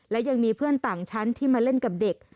และยังมีเพื่อนต่างชั้นที่มาเล่นกับเด็ก